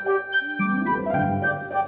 opi kurang aja